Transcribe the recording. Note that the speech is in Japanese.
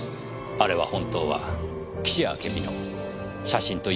あれは本当は岸あけみの写真と遺品だったんですね。